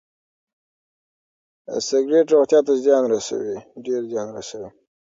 سګریټ روغتیا ته ډېر زیان رسوي.